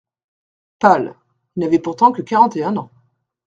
Pal.) Il n'avait pourtant que quarante et un an.